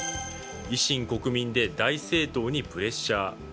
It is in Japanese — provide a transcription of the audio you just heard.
維新・国民で大政党にプレッシャー。